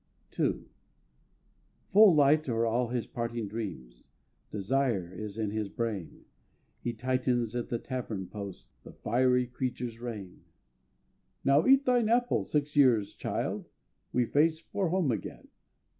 II Full light are all his parting dreams; Desire is in his brain; He tightens at the tavern post The fiery creature's rein: "Now eat thine apple, six years' child! We face for home again."